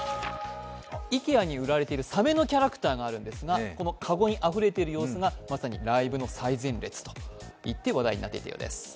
ＩＫＥＡに売られているさめのキャラクターがあるんですが、この籠にあふれている様子がまさにライブの最前列といって話題になったようです。